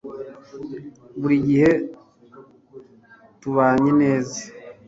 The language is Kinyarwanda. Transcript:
buri gihe tubanye neza